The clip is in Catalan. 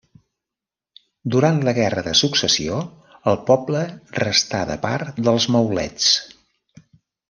Durant la guerra de Successió el poble restà de part dels maulets.